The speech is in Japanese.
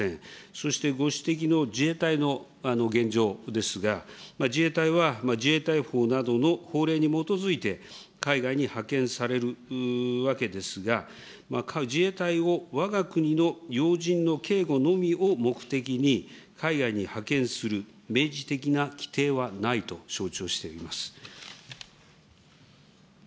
そしてご指摘の自衛隊の現状ですが、自衛隊は自衛隊法などの法令に基づいて、海外に派遣されるわけですが、自衛隊をわが国の要人の警護のみを目的に、海外に派遣する、明示的な規程はないと承知をしています。